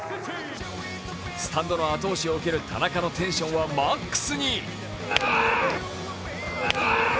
スタンドの後押しを受ける田中のテンションはマックスに。